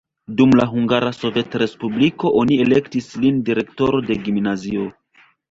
Dum la Hungara Sovetrespubliko oni elektis lin direktoro de gimnazio.